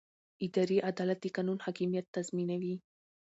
اداري عدالت د قانون حاکمیت تضمینوي.